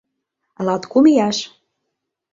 Латкум ияш...